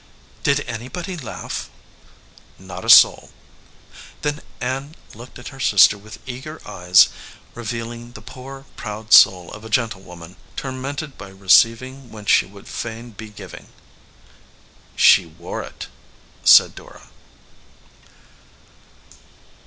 "Did anybody laugh?" "Not a soul." Then Ann looked at her sister with eager eyes, revealing the poor, proud soul of a gentlewoman tormented by receiving when she would fain be giv ing. "She wore it," said Dora.